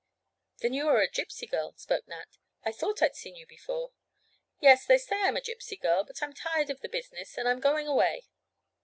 "Then you are a Gypsy girl," spoke Nat. "I thought I'd seen you before." "Yes, they say I'm a Gypsy girl, but I'm tired of the business and I'm going away."